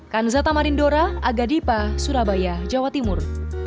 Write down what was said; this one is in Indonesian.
kanzata marindora agadipa surabaya jawa timur